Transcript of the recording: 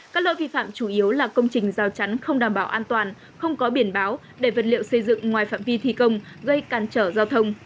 các lỗi vi phạm chủ yếu là công trình giao chắn không đảm bảo an toàn không có biển báo để vật liệu xây dựng ngoài phạm vi thi công gây cản trở giao thông